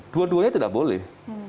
dua duanya tidak boleh